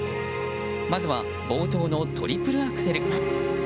まずは冒頭のトリプルアクセル。